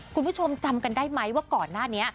คุณผู้ชมจำกันได้ไหมว่าก่อนหน้านี้